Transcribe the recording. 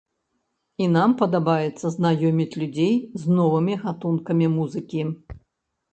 І нам падабаецца знаёміць людзей з новымі гатункамі музыкі.